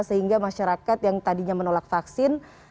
sehingga masyarakat yang tadinya menolak vaksin